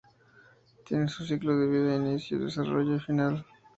Tiene su ciclo de vida: inicio, desarrollo y final.